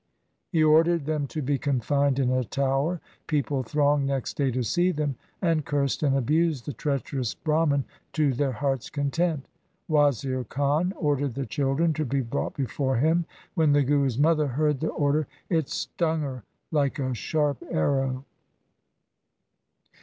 He ordered them to be confined in a tower. People thronged next day to see them, and cursed and abused the treacherous Brahman to their hearts' content. Wazir Khan ordered the children to be brought before him. When the Guru's mother heard the order, it stung her like a sharp arrow.